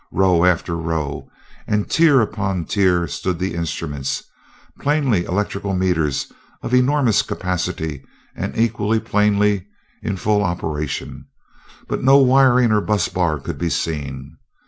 Row after row and tier upon tier stood the instruments, plainly electrical meters of enormous capacity and equally plainly in full operation, but no wiring or bus bar could be seen.